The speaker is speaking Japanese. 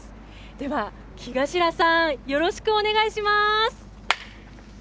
では、さん、よろしくお願いします。